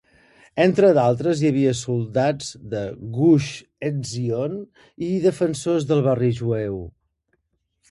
Entre d'altres hi havia soldats de Gush Etzion i defensors del barri jueu.